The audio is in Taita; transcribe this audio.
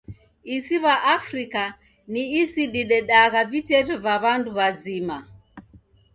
Isi w'a Afrika ni isi didedagha viteto va w'andu w'azima.